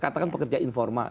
katakan pekerja informal